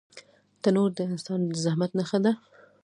تنور د انسان د زحمت نښه ده